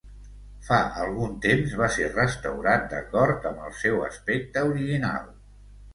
Fa algun temps va ser restaurat d'acord amb el seu aspecte original.